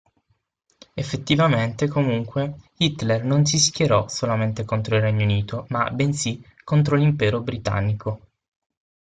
Effettivamente, comunque, Hitler non si schierò solamente contro il Regno Unito ma, bensì, contro l'impero britannico.